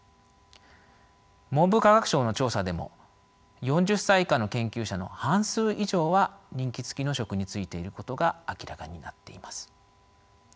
文部科学省の調査でも４０歳以下の研究者の半数以上は任期付きの職に就いていることが明らかになっています。